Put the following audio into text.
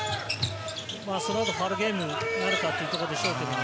そのあとファウルゲームになるかっていうところでしょうけどね。